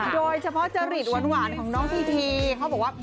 โดยเฉพาะจริตหวานของน้องพีทีเขาบอกว่า